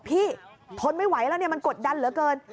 ทนไม่ไหวแล้วเนี่ยมันกดดันเหลือเกิน